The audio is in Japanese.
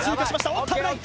おっと危ない！